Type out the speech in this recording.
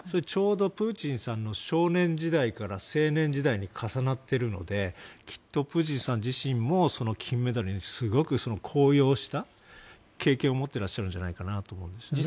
ちょうどプーチンさんの少年時代から青年時代に重なっているのできっとプーチンさん自身も金メダルに高揚した経験を持ってらっしゃるんじゃないかと思うんです。